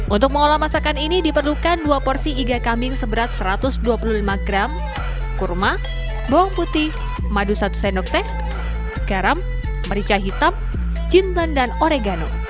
untuk mengolah masakan ini diperlukan dua porsi iga kambing seberat satu ratus dua puluh lima gram kurma bawang putih madu satu sendok teh garam merica hitam jintan dan oregano